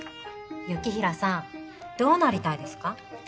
雪平さんどうなりたいですか？